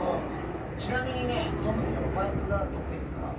ちなみにねトムってバイクが得意ですから。